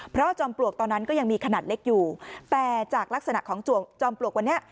เพราะจอมปลวกตอนนั้นก็ยังมีขนาดเล็กอยู่แต่จากลักษณะของจวงจอมปลวกวันนี้